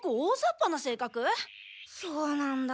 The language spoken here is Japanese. そうなんだ。